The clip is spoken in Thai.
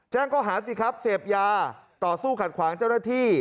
ข้อหาสิครับเสพยาต่อสู้ขัดขวางเจ้าหน้าที่